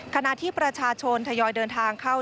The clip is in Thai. ขณะที่ประชาชนทยอยเดินทางเข้า